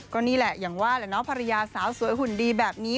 ก็นี่แหละอย่างว่าแหละเนาะภรรยาสาวสวยหุ่นดีแบบนี้